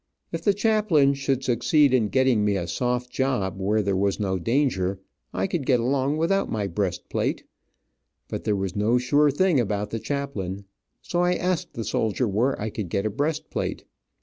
If the chaplain should succeed in getting me a soft job, where there was no danger, I could get along without my breast plate, but there was no sure thing about the chaplain, so I asked the soldier where I could get a breastplate.